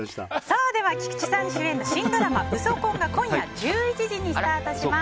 菊池さん主演の新ドラマ「ウソ婚」が今夜１１時にスタートします。